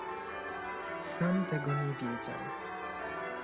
"sam tego nie wiedział."